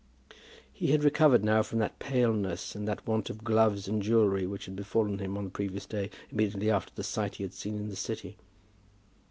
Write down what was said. He had recovered now from that paleness, and that want of gloves and jewellery which had befallen him on the previous day immediately after the sight he had seen in the City.